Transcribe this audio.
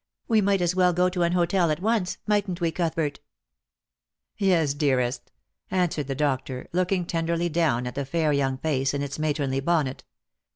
We might as well go to an hotel at once ; mightn't we, Cuthbert ?"" Yes, dearest," answered the doctor, looking tenderly down at the fair young face in its matronly bonnet.